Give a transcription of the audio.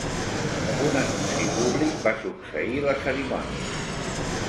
Un anunci públic va succeir la cerimònia.